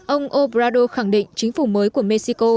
ông obrador khẳng định chính phủ mới của mexico